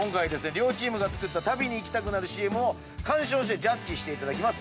両チームが作った旅に行きたくなるＣＭをジャッジしていただきます。